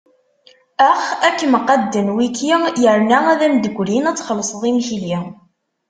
Ax, ad kem-qadden wiki, yerna ad am-d-grin ad txelṣeḍ imekli.